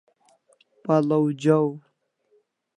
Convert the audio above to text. Pal'aw jaw